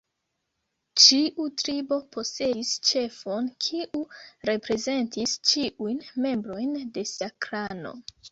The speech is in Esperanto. Ĉiu tribo posedis ĉefon, kiu reprezentis ĉiujn membrojn de sia klano.